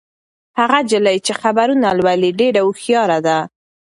هغه نجلۍ چې خبرونه لولي ډېره هوښیاره ده.